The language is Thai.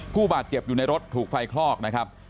ผู้บาดเจ็บอยู่ในรถถูกไฟคลอกนะครับ